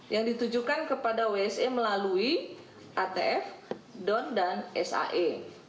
yang ditujukan kepada wse melalui atf don dan sae